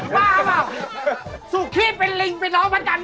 พระน้ำหนึ่งเป็นอะไรกับพระน้ำสอง